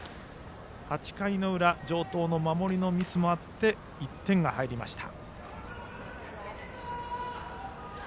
８回裏城東の守りのミスもあって１点が入りました。